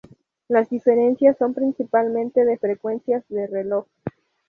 Las diferencias son principalmente de frecuencias de reloj.